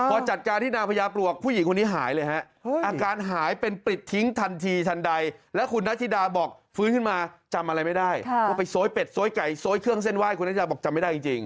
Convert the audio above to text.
พอจัดการที่นาพยาปลวกผู้หญิงคนนี้หายเลยฮะ